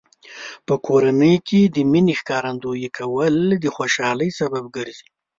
په کورنۍ کې د مینې ښکارندوی کول د خوشحالۍ سبب ګرځي.